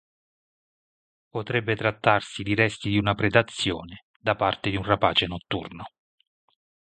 Potrebbe trattarsi di resti di una predazione da parte di un rapace notturno.